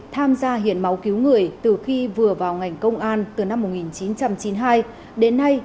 tham gia hiến máu cứu người từ khi vừa vào ngành công an từ năm một nghìn chín trăm chín mươi hai đến nay